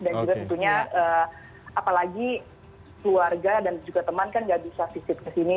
dan juga tentunya apalagi keluarga dan juga teman kan gak bisa visit kesini